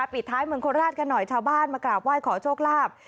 ปิดท้ายเมืองโคราชกันหน่อยชาวบ้านมากราบไหว้ขอโชคลาภ